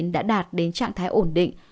đã đạt đến trạng thái ổn định